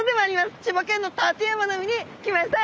千葉県の館山の海に来ましたよ！